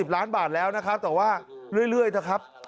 ล้านบาทแล้วนะครับแต่ว่าเรื่อยเถอะครับ